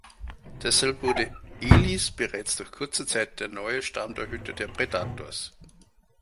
Deshalb wurde Ellis bereits nach kurzer Zeit der neue Stammtorhüter der Predators.